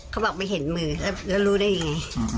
เขาบอกไม่เห็นมือแล้วรู้ได้ยังไง